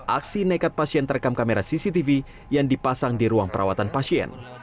aksi nekat pasien terekam kamera cctv yang dipasang di ruang perawatan pasien